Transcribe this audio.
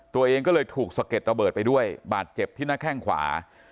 ตัวเองก็เลยถูกสะเก็ดระเบิดไปด้วยบาดเจ็บที่หน้าแข้งขวา